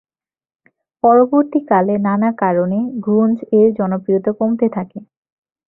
পরবর্তীকালে নানা কারণে গ্রুঞ্জ-এর জনপ্রিয়তা কমতে থাকে।